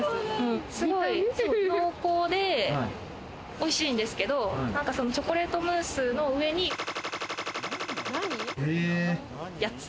すごい濃厚で、おいしいんですけど、チョコレートムースの上にやつ。